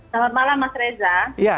selamat malam mas reza